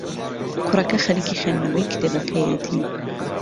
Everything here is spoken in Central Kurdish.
کوڕەکە خەریکی خوێندنەوەی کتێبەکەیەتی.